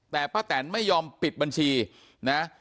แต่ป้าแตนไม่ยอมปิดบัญชีนะ